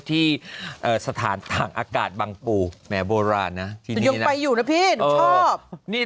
ที่สถานต่างอากาศบังปูแหมโบราณนะที่นี่ยังไปอยู่นะพี่หนูชอบ